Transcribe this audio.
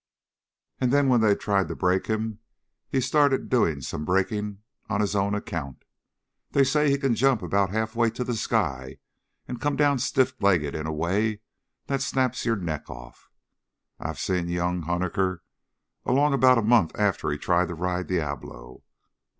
And then when they tried to break him he started doing some breaking on his own account. They say he can jump about halfway to the sky and come down stiff legged in a way that snaps your neck near off. I seen young Huniker along about a month after he tried to ride Diablo.